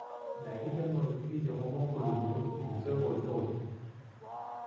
Il a également écrit des romans coloniaux et des œuvres érotiques.